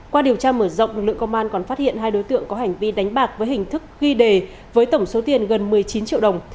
qua điều tra mở rộng lực lượng công an còn phát hiện hai đối tượng có hành vi đánh bạc với hình thức ghi đề với tổng số tiền gần một mươi chín triệu đồng